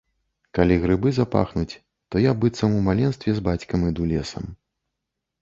Калі грыбы запахнуць, то я быццам у маленстве з бацькам іду лесам.